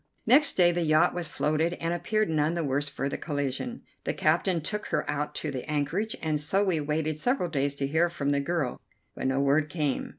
Next day the yacht was floated and appeared none the worse for the collision. The captain took her out to the anchorage, and so we waited several days to hear from the girl, but no word came.